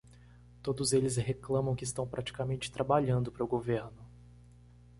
Todos eles reclamam que estão praticamente trabalhando para o governo.